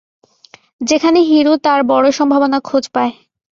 যেখানে হিরো তার বড় সম্ভাবনার খোঁজ পায়।